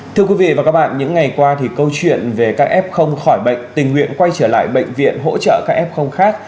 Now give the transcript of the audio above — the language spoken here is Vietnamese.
thưa quý vị và các bạn những ngày qua thì câu chuyện về kf khỏi bệnh tình nguyện quay trở lại bệnh viện hỗ trợ kf khác